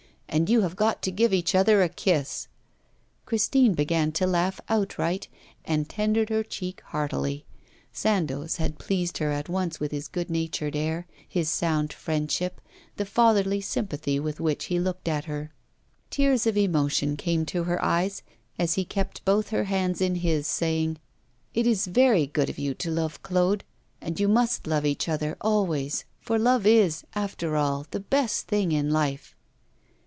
And you have got to give each other a kiss.' Christine began to laugh outright, and tendered her cheek heartily. Sandoz had pleased her at once with his good natured air, his sound friendship, the fatherly sympathy with which he looked at her. Tears of emotion came to her eyes as he kept both her hands in his, saying: 'It is very good of you to love Claude, and you must love each other always, for love is, after all, the best thing in life.